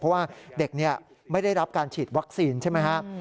เพราะว่าเด็กไม่ได้รับการฉีดวัคซีนใช่ไหมครับ